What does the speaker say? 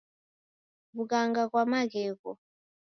Wughanga ghwa maghegho